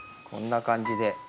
こんな感じで。